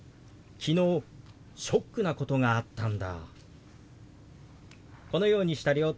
昨日ショックなことがあったんだ。